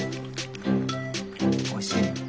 おいしい？